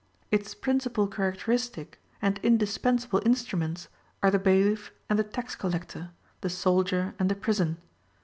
Its principal characteristic and indispensable instruments are the bailiff and the tax collector, the soldier and the prison.